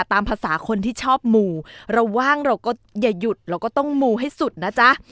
ตามภาษาคนที่ชอบมูเราว่างเราก็อย่าหยุดเราก็ต้องมูให้สุดนะจ๊ะ